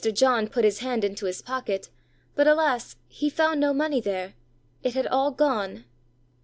John put his hand into his pocket, but, alas! he found no money there, it had all gone.